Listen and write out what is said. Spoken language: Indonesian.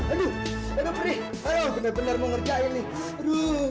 aduh perih benar benar mau ngerjain nih